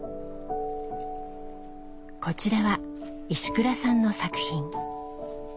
こちらは石倉さんの作品。